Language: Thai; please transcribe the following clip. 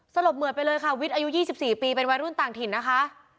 ลบเหมือดไปเลยค่ะวิทย์อายุ๒๔ปีเป็นวัยรุ่นต่างถิ่นนะคะ